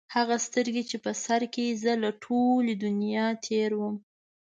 هغه سترګي چې په سر یې زه له ټولي دنیا تېر وم